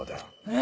え